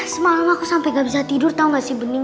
semalam aku sampe gak bisa tidur tau gak sih bening